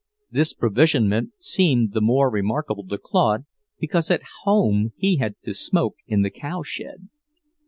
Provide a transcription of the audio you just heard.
This provisionment seemed the more remarkable to Claude because at home he had to smoke in the cowshed.